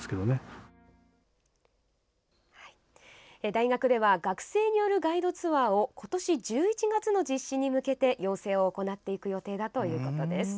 大学では学生によるガイドツアーを今年１１月の実施に向けて養成を行っていくとのことです。